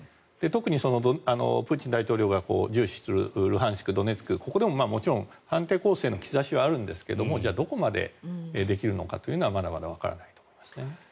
特にプーチン大統領が重視するルハンシク、ドネツクここでも、もちろん反転攻勢の兆しはあるんですがじゃあどこまでできるのかというのはまだまだわからないですね。